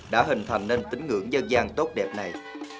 đã hình thành nên tính ngưỡng dân gian tốt đẹp này